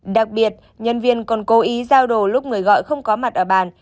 đặc biệt nhân viên còn cố ý giao đồ lúc người gọi không có mặt ở bàn